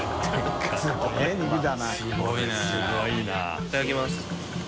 いただきます。